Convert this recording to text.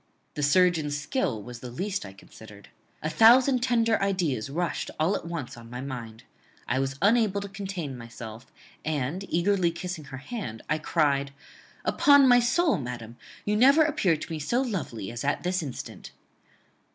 The surgeon's skill was the least I considered. A thousand tender ideas rushed all at once on my mind. I was unable to contain myself, and, eagerly kissing her hand, I cried Upon my soul, madam, you never appeared to me so lovely as at this instant.